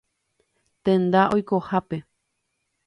Tenda oikohápe.